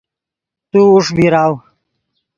تو اوݰ بیراؤ